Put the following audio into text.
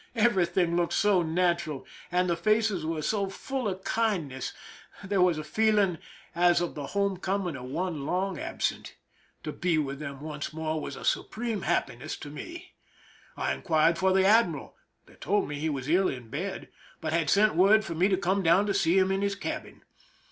Every thing looked so natural, and the faces were so full 305 THE SINKINa OF THE "MERRIMAC" of kindness; there was a feeling as of the home coming of one long absent. To be with them once mor<3 was a supreme happiness to me. I inquired for the admiral ; they told me he was ill in bed, but had sent word for me to come down to see him in his (jabin.